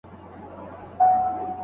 سياسي ګوندونو د خپلو ګټو لپاره کار کاوه.